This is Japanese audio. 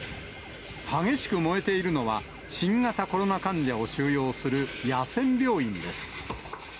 激しく燃えているのは、新型コロナ患者を収容する野戦病院です。